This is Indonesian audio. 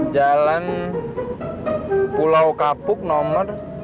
jalan pulau kapuk nomor lima puluh empat